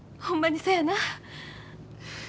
ほんまにそやな。